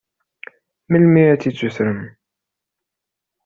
Melmi ara tt-id-sutrem?